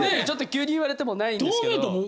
ちょっと急に言われてもないんですけど。